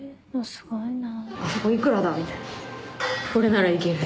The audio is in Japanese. すっごいな。